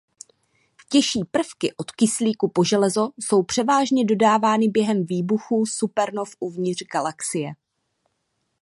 Těžší prvky od kyslíku po železo jsou převážně dodávány během výbuchů supernov uvnitř galaxie.